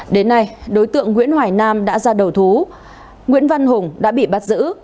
đến nay đối tượng nguyễn hoài nam đã ra đầu thú nguyễn văn hùng đã bị bắt giữ